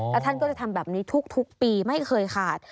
แล้วท่านก็จะทำแบบนี้ทุกปีไม่เคยขาด